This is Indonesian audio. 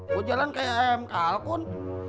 gua jalan kayak am calcun